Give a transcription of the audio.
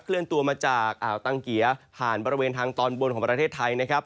เลื่อนตัวมาจากอ่าวตังเกียร์ผ่านบริเวณทางตอนบนของประเทศไทยนะครับ